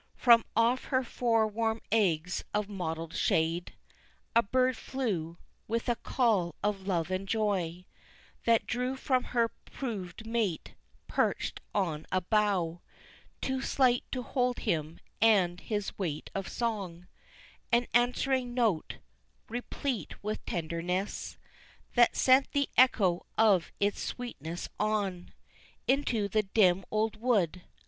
From off her four warm eggs of mottled shade, A bird flew, with a call of love and joy, That drew from her proved mate, perched on a bough Too slight to hold him and his weight of song, An answering note, replete with tenderness, That sent the echo of its sweetness on Into the dim old wood.